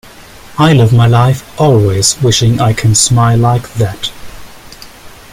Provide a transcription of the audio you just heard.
I live my life always wishing I can smile like that.